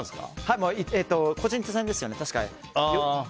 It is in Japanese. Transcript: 個人戦ですね。